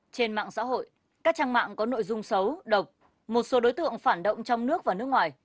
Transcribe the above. trên mạng xã hội các trang mạng có nội dung xấu độc một số đối tượng phản động trong nước và nước ngoài